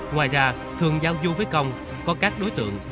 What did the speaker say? ngoài ra thường giao du với công có các đối tượng